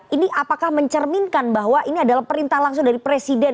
ini apakah mencerminkan bahwa ini adalah perintah langsung dari presiden